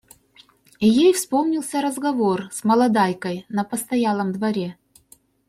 И ей вспомнился разговор с молодайкой на постоялом дворе.